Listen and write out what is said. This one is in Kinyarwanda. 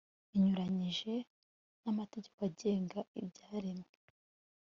inyuranyije namategeko agenga ibyaremwe